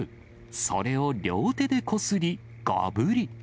それを両手でこすり、がぶり。